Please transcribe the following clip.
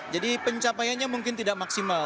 jadi pencapaiannya mungkin tidak maksimal